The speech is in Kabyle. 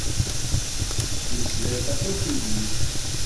Tettmeslay tapuṛtugit.